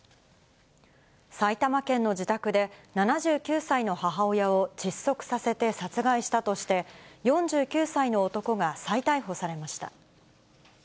埼玉県の自宅で、７９歳の母親を窒息させて殺害したとして、４９歳の男が再逮捕されました。